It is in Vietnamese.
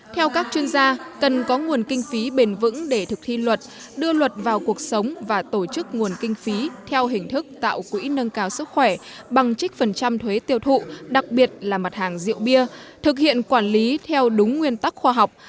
theo các chuyên gia cần có nguồn kinh phí bền vững để thực thi luật đưa luật vào cuộc sống và tổ chức nguồn kinh phí theo hình thức tạo quỹ nâng cao sức khỏe bằng trích phần trăm thuế tiêu thụ đặc biệt là mặt hàng rượu bia thực hiện quản lý theo đúng nguyên tắc khoa học